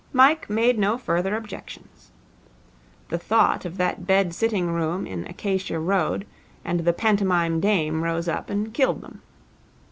Mike made no further objections. The thought of that bed sitting room in Acacia Road and the pantomime dame rose up and killed them.